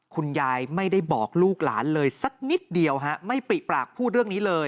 คุณยายไม่ได้บอกลูกหลานเลยสักนิดเดียวฮะไม่ปริปากพูดเรื่องนี้เลย